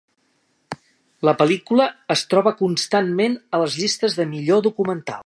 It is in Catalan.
La pel·lícula es troba constantment a les llistes de "millor documental".